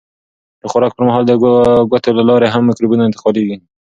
د خوراک پر مهال د ګوتو له لارې هم مکروبونه انتقالېږي.